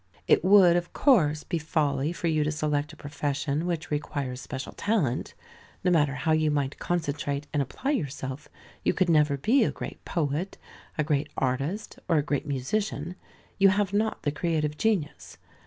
It would, of course, be folly for you to select a profession which requires special talent. No matter how you might concentrate and apply yourself, you could never be a great poet, a great artist, or a great musician. You have not the creative genius.